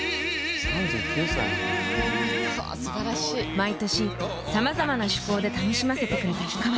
毎年さまざまな趣向で楽しませてくれた氷川さん。